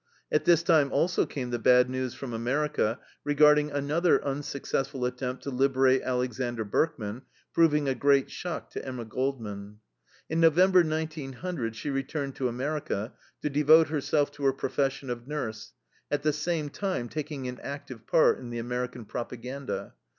At this time also came the bad news from America regarding another unsuccessful attempt to liberate Alexander Berkman, proving a great shock to Emma Goldman. In November, 1900, she returned to America to devote herself to her profession of nurse, at the same time taking an active part in the American propaganda.